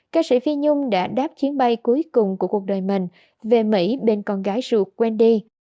ca sĩ phi nhung đã đáp chuyến bay cuối cùng của cuộc đời mình về mỹ bên con gái ruột quen đi